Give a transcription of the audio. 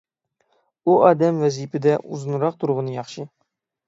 ئۇ ئادەم ۋەزىپىدە ئۇزۇنراق تۇرغىنى ياخشى.